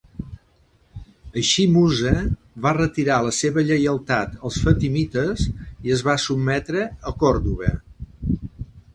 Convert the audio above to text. Així Musa va retirar la seva lleialtat als fatimites i es va sotmetre a Còrdova.